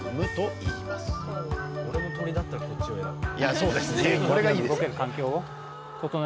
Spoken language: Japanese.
俺も鶏だったらこっちを選ぶかな。